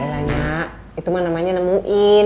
ya elahnya itu mah namanya nemuin